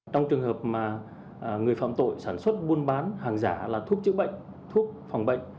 trong trường hợp mà người phạm tội sản xuất buôn bán hàng giả là thuốc chữa bệnh thuốc phòng bệnh